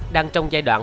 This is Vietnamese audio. đang trong giai đoạn